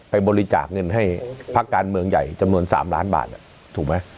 บริจาคเงินให้พักการเมืองใหญ่จำนวน๓ล้านบาทถูกไหม